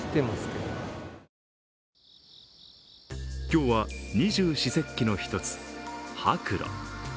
今日は二十四節気の一つ白露。